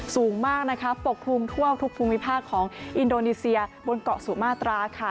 สูงมากนะคะปกคลุมทั่วทุกภูมิภาคของอินโดนีเซียบนเกาะสุมาตราค่ะ